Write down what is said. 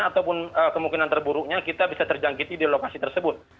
ataupun kemungkinan terburuknya kita bisa terjangkiti di lokasi tersebut